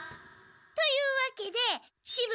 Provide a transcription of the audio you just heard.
というわけでしぶ